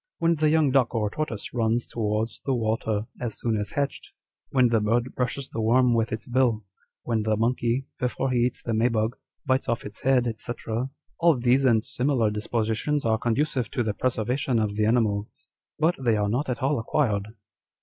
When the young duck or tortoise runs towards the water as soon as hatched, when the bird brushes the worm with its bill, when the monkey, before he eats the may bug, bites off its head; &c. â€" all these and similar dispositions arc conducive to the preservation of the animals ; but they are not at all acquired."